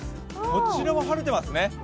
こちらは晴れてますね。